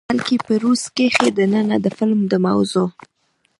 بلکې په روس کښې دننه د فلم د موضوع،